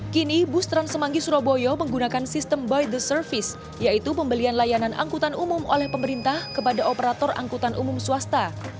kini bus trans semanggi surabaya menggunakan sistem by the service yaitu pembelian layanan angkutan umum oleh pemerintah kepada operator angkutan umum swasta